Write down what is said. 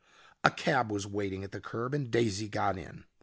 A cab was waiting at the curb and Daisy got in.